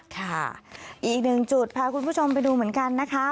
ค่ะอีกหนึ่งจุดพาคุณผู้ชมไปดูเหมือนกันนะคะ